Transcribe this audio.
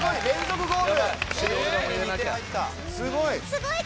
すごい！